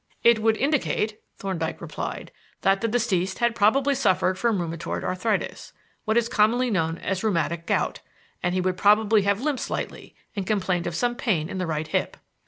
"It would indicate," Thorndyke replied, "that the deceased had probably suffered from rheumatoid arthritis what is commonly known as rheumatic gout and he would probably have limped slightly and complained of some pain in the right hip."